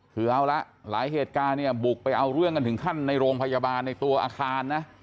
คือเอาละหลายเหตุการณ์เนี่ยบุกไปเอาเรื่องกันถึงขั้นในโรงพยาบาลในตัวอาคารนะ